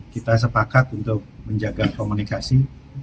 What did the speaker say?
kita sepakat untuk menjaga komunikasi